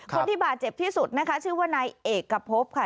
คนที่บาดเจ็บที่สุดนะคะชื่อว่านายเอกพบค่ะ